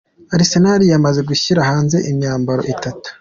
Arsenal yamaze gushyira hanze imyambaro itatu